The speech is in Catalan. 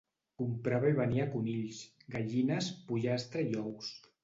Comprava i venia conills, gallines, pollastre i ous.